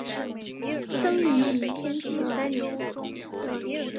生于明天启三年。